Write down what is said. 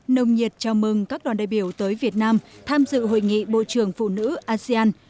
nồng nhiệt chào mừng các đoàn đại biểu tới việt nam tham dự hội nghị bộ trưởng phụ nữ asean